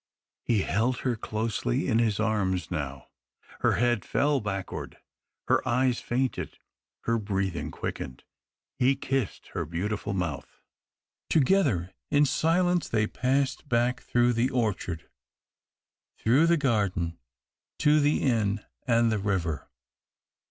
He held her closely in his arms now. Her head fell backward, her eyes fainted, her breathing quickened. He kissed her beautiful mouth. Together, in silence, they passed back through the orchard, through the garden, to the inn and the river.